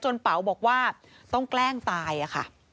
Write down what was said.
เป๋าบอกว่าต้องแกล้งตายอะค่ะ